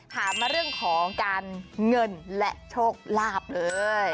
ถามมาเรื่องของการเงินและโชคลาภเลย